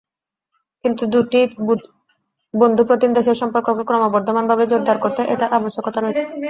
কিন্তু দুটি বন্ধুপ্রতিম দেশের সম্পর্ককে ক্রমবর্ধমানভাবে জোরদার করতে এটার আবশ্যকতা রয়েছে।